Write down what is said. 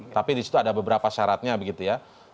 tapi di situ ada beberapa syaratnya begitu ya